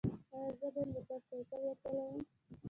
ایا زه باید موټر سایکل وچلوم؟